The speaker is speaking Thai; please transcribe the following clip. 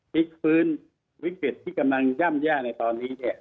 พลิกฟื้นวิกฤตที่กำลังย่ำแย่ในตอนนี้เนี่ย